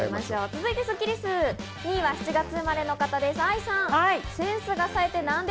続いてスッキりす、２位は７月生まれの方です、愛さん。